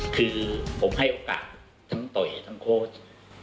คือผมให้โอกาสทั้งต่อยทั้งโค้ช